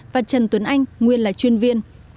và trần tuấn anh nguyên là chuyên viên